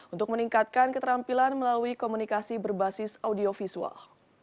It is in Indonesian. untuk meningkatkan keterampilan melalui komunikasi berbasis audiovisual